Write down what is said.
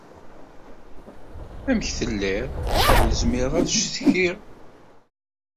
Amek telliḍ? Ur zmireɣ ad cetkiɣ.